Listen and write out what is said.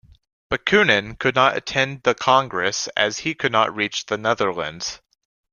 Bakunin could not attend the congress, as he could not reach the Netherlands.